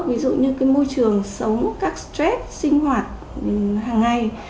ví dụ như cái môi trường sống các stress sinh hoạt hàng ngày